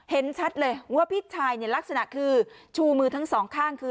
เห็นชัดเลยว่าพี่ชายเนี่ยลักษณะคือชูมือทั้งสองข้างคือ